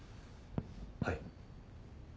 はい。